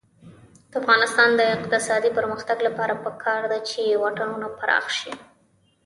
د افغانستان د اقتصادي پرمختګ لپاره پکار ده چې واټونه پراخ شي.